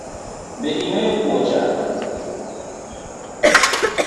Be ing’eyo puo chak?